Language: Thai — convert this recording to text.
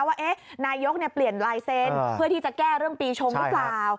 ว่านายกเปลี่ยนลายเซ็นต์เพื่อที่จะแก้เรื่องปีชงหรือเปล่า